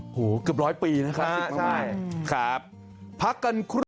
โอ้โหเกือบร้อยปีนะครับสิทธิ์มากครับพักกันครับ